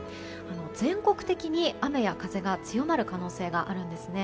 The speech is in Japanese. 全国的に雨や風が強まる可能性があるんです。